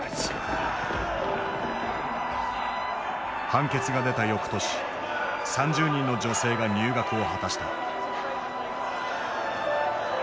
判決が出たよくとし３０人の女性が入学を果たした。